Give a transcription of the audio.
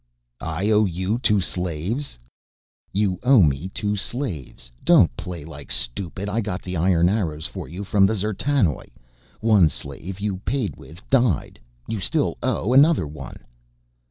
"I owe you two slaves?" "You owe me two slaves, don't play like stupid. I got the iron arrows for you from the D'zertanoj, one slave you paid with died. You still owe other one."